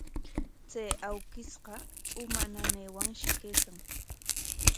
Chay awkishqa uma nanaywanshi kaykan.